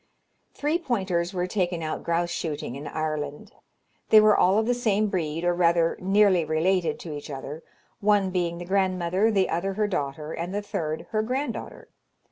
Three pointers were taken out grouse shooting in Ireland. They were all of the same breed, or rather nearly related to each other, one being the grandmother, the other her daughter, and the third her granddaughter.